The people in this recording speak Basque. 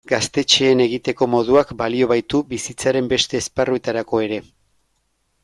Gaztetxeen egiteko moduak balio baitu bizitzaren beste esparruetarako ere.